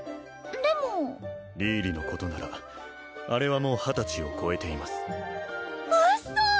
でもリーリのことならあれはもう２０歳を超えていますウッソ！